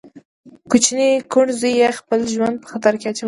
کوچني کوڼ زوی يې خپل ژوند په خطر کې اچولی.